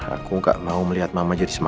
aku nggak mau melihat mama jadi semak semak